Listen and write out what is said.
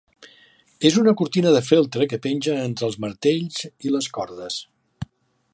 És una cortina de feltre que penja entre els martells i les cordes.